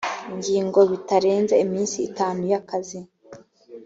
ngingo bitarenze iminsi itanu y akazi